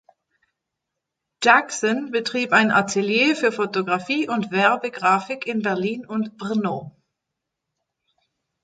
Jackson betrieb ein Atelier für Fotografie und Werbegrafik in Berlin und Brno.